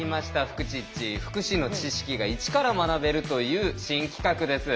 福祉の知識が一から学べるという新企画です。